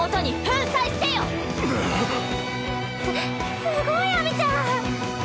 すすごい秋水ちゃん！